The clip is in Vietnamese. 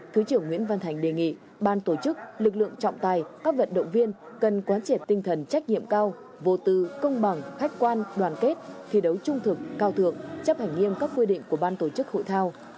thứ trưởng nguyễn văn thành đề nghị ban tổ chức lực lượng trọng tài các vận động viên cần quán triệt tinh thần trách nhiệm cao vô tư công bằng khách quan đoàn kết thi đấu trung thực cao thượng chấp hành nghiêm các quy định của ban tổ chức hội thao